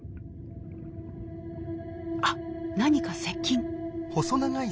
あっ何か接近。